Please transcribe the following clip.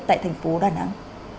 tại thành phố đà nẵng